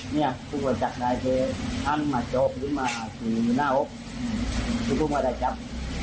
เนี่ยคุณก็จักรนายเก้ท่านมาจบไปมาอ่ะสืบหน้าอรบ